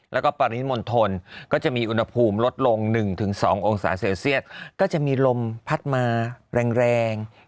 แล้วก็ปริมณฑลก็จะมีอุณหภูมิลดลง๑๒องศาเซลเซียสก็จะมีลมพัดมาแรง